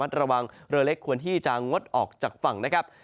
ระวังเรือเล็กควรที่จะงดออกจากฝั่งนะครับ